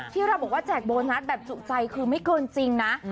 ที่เราบอกว่าแจกโบนัสแบบจุใจคือไม่เกินจริงนะ